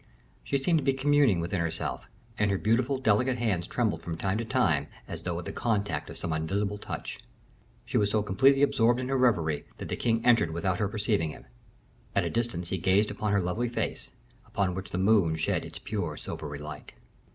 She seemed to be communing within herself; and her beautiful, delicate hands trembled from time to time as though at the contact of some invisible touch. She was so completely absorbed in her reverie, that the king entered without her perceiving him. At a distance he gazed upon her lovely face, upon which the moon shed its pure silvery light.